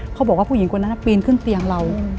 ผู้หญิงคนนั้นปีนขึ้นเตียงเรา